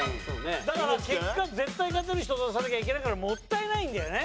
だから結果絶対勝てる人を出さなきゃいけないからもったいないんだよね。